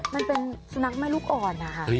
มันเป็นสุนัขแม่ลูกอ่อนนะคะ